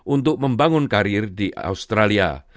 untuk membangun karir di australia